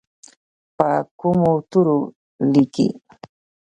په کومو تورو لیکي؟